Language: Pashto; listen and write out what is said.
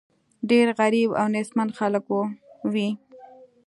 ډېر غریب او نېستمن خلک وي.